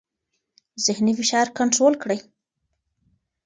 ذهني فشار کنټرول کړئ.